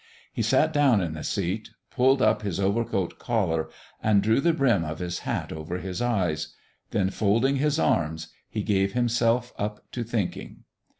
He sat down in the seat, pulled up his overcoat collar, and drew the brim of his hat over his eyes; then, folding his arms, he gave himself up to thinking.